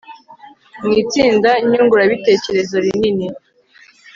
mu itsinda nyungurabitekerezo rinini